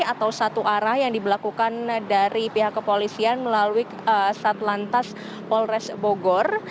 atau satu arah yang diberlakukan dari pihak kepolisian melalui satlantas polres bogor